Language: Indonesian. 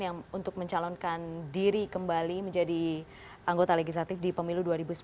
yang untuk mencalonkan diri kembali menjadi anggota legislatif di pemilu dua ribu sembilan belas